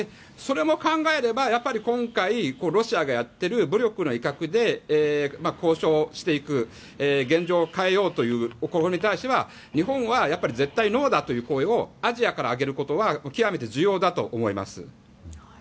それも考えればやっぱり今回ロシアがやっている武力の威嚇で交渉していく、現状を変えようという試みに対しては日本は絶対ノーだという声をアジアから上げることは極めて重要だと思います。